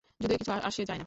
যদিও কিছু আসে যায় না।